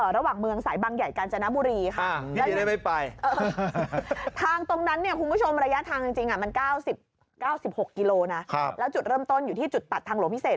ระหว่างเมืองสายบางใหญ่กาญจนบุรีค่ะพี่ได้ไม่ไปทางตรงนั้นเนี่ยคุณผู้ชมระยะทางจริงจริงอะมันเก้าสิบเก้าสิบหกกิโลนะครับแล้วจุดเริ่มต้นอยู่ที่จุดตัดทางหลวงพิเศษ